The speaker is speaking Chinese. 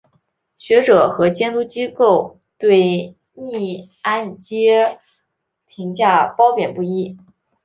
学者和监管机构对逆按揭评价褒贬不一。